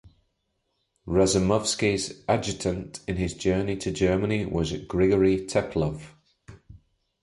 Razumovsky's adjutant in his journey to Germany was Grigory Teplov.